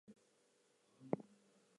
They exist on the land and in the sea.